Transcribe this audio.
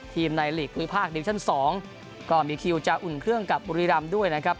ทีมในลีกภาคดิวิชั่นสองก็มีคิวจะอุ่นเครื่องกับบุรีรัมณ์ด้วยนะครับ